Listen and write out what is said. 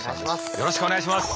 よろしくお願いします。